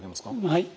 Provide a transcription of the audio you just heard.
はい。